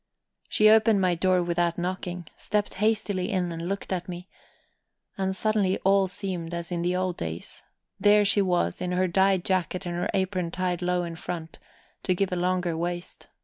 She opened my door without knocking, stepped hastily in, and looked at me. And suddenly all seemed as in the old days. There she was in her dyed jacket and her apron tied low in front, to give a longer waist.